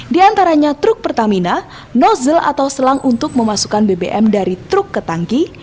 di antaranya truk pertamina nozzle atau selang untuk memasukkan bbm dari truk ke tangki